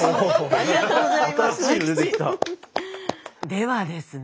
ではですね